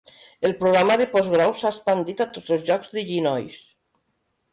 El programa de postgrau s'ha expandit a tots els llocs d'Illinois.